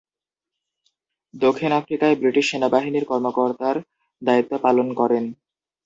দক্ষিণ আফ্রিকায় ব্রিটিশ সেনাবাহিনীর কর্মকর্তার দায়িত্ব পালন করেন।